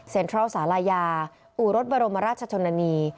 เซ็นทรัลสาลายาอุรสบรมราชชนนี